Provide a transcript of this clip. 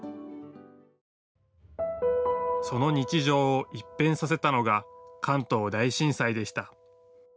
その日常を一変させたのが関東大震災でした。